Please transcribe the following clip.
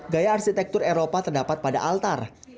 gaya arsitektur eropa terdapat pada altar